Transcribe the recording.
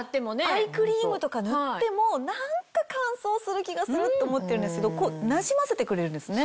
アイクリームとか塗っても何か乾燥する気がするって思ってるんですけどなじませてくれるんですね。